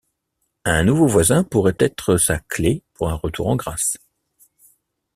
Un nouveau voisin pourrait être sa clé pour un retour en grâce.